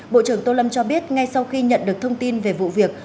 bộ trưởng tô lâm cho biết ngay sau khi nhận được thông tin về vụ việc